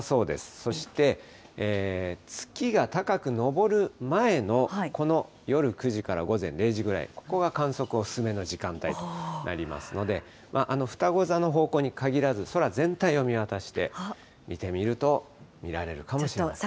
そして月が高く昇る前のこの夜９時から午前０時くらい、ここが観測お勧めの時間帯となりますので、ふたご座の方向に限らず、空全体を見渡して見てみると、見られるかもしれません。